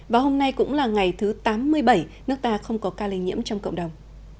và hôm nay cũng là ngày thứ tám mươi bảy nước ta không có ca lây nhiễm trong cộng đồng